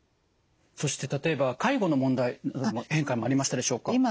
そして例えば介護の問題にも変化がありましたでしょうか？